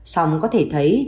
song có thể thấy